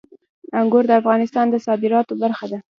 انګور د افغانستان د صادراتو برخه ده.